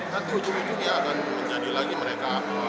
dan keujung keujungnya akan menjadi lagi mereka